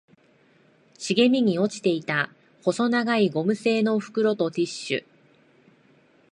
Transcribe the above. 茂みに落ちていた細長いゴム製の袋とティッシュ